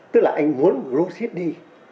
tức là anh muốn rút nước ra đi